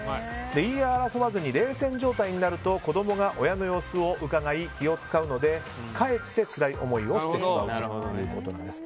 言い争わずに冷戦状態になると子供が親の様子をうかがい気を使うのでかえってつらい思いをしてしまうということです。